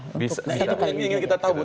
nah ini yang ingin kita tahu